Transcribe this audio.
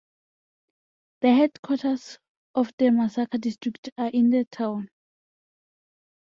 The headquarters of the Masaka District are in the town.